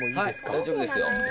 はい大丈夫ですよ。